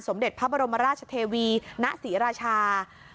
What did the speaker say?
เด็จพระบรมราชเทวีณศรีราชา